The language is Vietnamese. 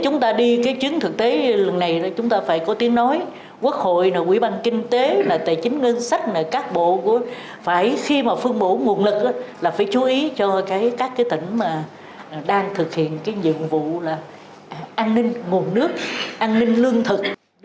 nguồn lực là phải chú ý cho các tỉnh đang thực hiện nhiệm vụ an ninh nguồn nước an ninh lương thực